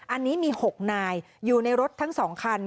อันนี้มี๖นายอยู่ในรถทั้ง๒คัน